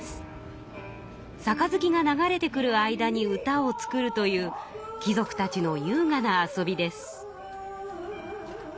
さかずきが流れてくる間に歌を作るという貴族たちのゆうがな遊びです。